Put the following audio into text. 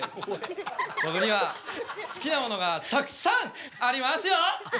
僕には好きなものがたくさんありますよ！